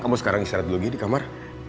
kamu sekarang istirahat dulu lagi di kamar